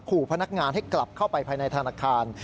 ขู่พนักงานให้กลับเข้าไปภายในธนาคาร